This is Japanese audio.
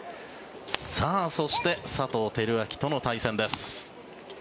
さあ、そして佐藤輝明との対戦です。